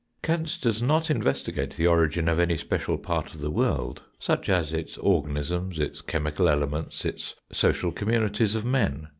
Kant does not investigate the origin of any special part of the world, such as its organisms, its chemical elements, its social communities of men.